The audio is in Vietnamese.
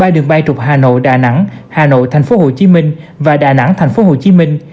ba đường bay trục hà nội đà nẵng hà nội thành phố hồ chí minh và đà nẵng thành phố hồ chí minh